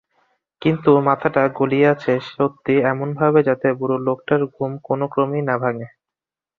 কিন্তু মাথাটা গলিয়েছি সত্যিই এমনভাবে যাতে বুড়োলোকটার ঘুম কোনোক্রমেই না ভাঙে।